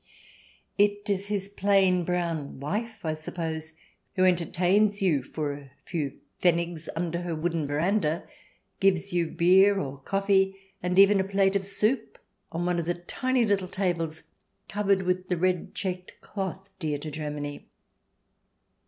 It is his plain brown wife, I suppose, who enter tains you for a few pfennigs under her wooden veranda, gives you beer or coffee, and even a plate of soup on one of the tiny little tables covered with the red checked cloth dear to Germany.